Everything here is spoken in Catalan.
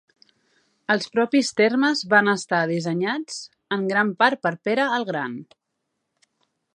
Els propis termes van estar dissenyats en gran part per Pere el Gran.